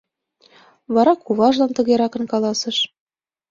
Вара куважлан тыгерак каласыш: